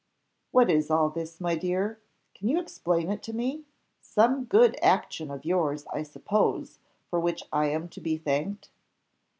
"What is all this, my dear? Can you explain it to me? Some good action of yours, I suppose, for which I am to be thanked."